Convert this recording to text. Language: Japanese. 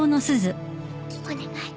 お願い。